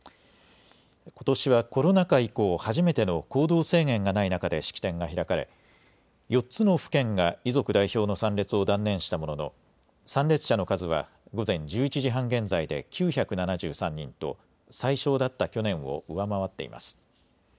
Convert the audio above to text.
ことしはコロナ禍以降、初めての行動制限がない中で式典が開かれ４つの府県が遺族代表の参列を断念したものの、参列者の数は午前１１時半現在で９７３人と最少だった去年を上回っています。